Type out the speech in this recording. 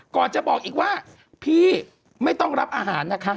ก่อนจะบอกอีกว่าพี่ไม่ต้องรับอาหารนะคะ